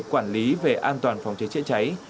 quản lý về an toàn phòng cháy chạy cháy